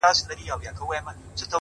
اې ه څنګه دي کتاب له مخه ليري کړم-